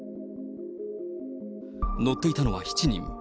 乗っていたのは７人。